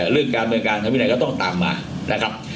เรื่องการเมืองการทางวินัยก็ต้องตามมานะครับ